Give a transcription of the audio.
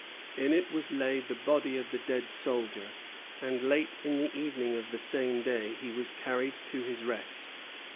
In it was laid the body of the dead soldier; and late in the evening of the same day he was carried to his rest.